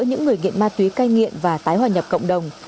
những người nghiện ma túy cai nghiện và tái hòa nhập cộng đồng